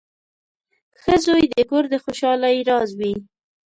• ښه زوی د کور د خوشحالۍ راز وي.